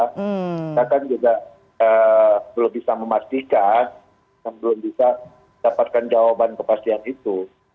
kita kan juga belum bisa memastikan belum bisa dapatkan jawaban kepastian itu